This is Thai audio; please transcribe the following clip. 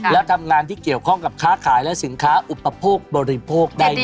และทำงานที่เกี่ยวข้องกับค้าขายและสินค้าอุปโภคบริโภคได้ด้วย